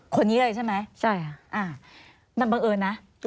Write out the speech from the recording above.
คนเยอะเลยใช่ไหมอ่าบังเอิญนะใช่